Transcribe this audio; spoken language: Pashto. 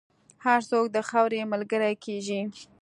هر څوک د خاورې ملګری کېږي.